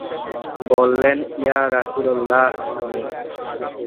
বললেন, ইয়া রাসুলুল্লাহ আমি।